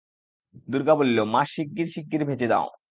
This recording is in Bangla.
দুর্গা বলিল, মা শিগগির শিগগির ভেজে নাও।